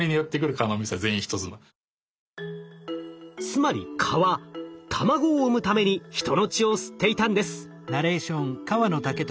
つまり蚊は卵を産むために人の血を吸っていたんです。